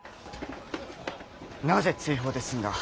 なぜ追放で済んだ？